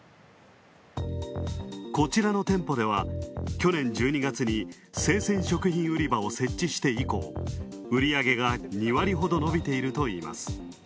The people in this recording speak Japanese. こちらの店舗では去年１２月に生鮮食品売り場を設置して以降売り上げが２割ほど伸びているといいます。